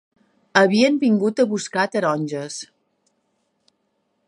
Havien vingut a buscar taronges